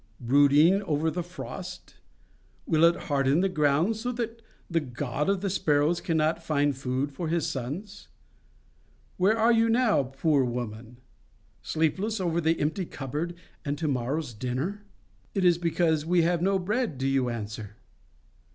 Brooding over the frost? Will it harden the ground, so that the God of the sparrows cannot find food for His sons? Where are you now, poor woman? Sleepless over the empty cupboard and to morrow's dinner? 'It is because we have no bread?' do you answer?